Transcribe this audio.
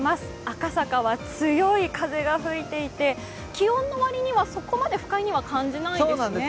赤坂は強い風が吹いていて、気温のわりにはそこまで不快には感じないですね。